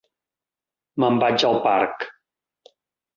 Me'n vaig al parc.